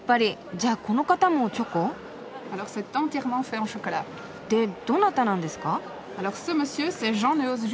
じゃあこの方もチョコ？でどなたなんですか？